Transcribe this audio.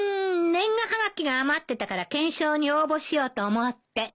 年賀はがきが余ってたから懸賞に応募しようと思って。